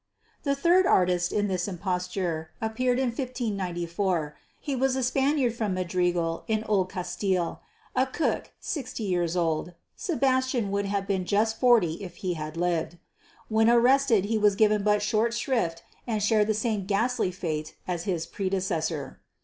The third artist in this imposture appeared in 1594. He was a Spaniard from Madrigal in Old Castile a cook, sixty years old (Sebastian would have been just forty if he had lived). When arrested he was given but short shrift and shared the same ghastly fate as his predecessor.